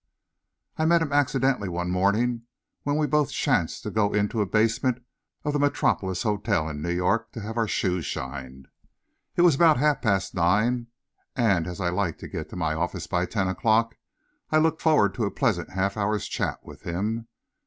I met him accidentally one morning when we both chanced to go into a basement of the Metropolis Hotel in New York to have our shoes shined. It was about half past nine, and as I like to get to my office by ten o'clock, I looked forward to a pleasant half hour's chat with him.